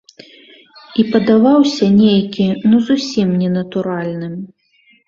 І падаваўся нейкі ну зусім ненатуральным.